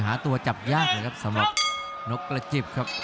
หาตัวจับยากเลยครับสำหรับนกกระจิบครับ